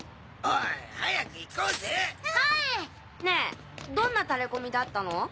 ねぇどんなタレコミだったの？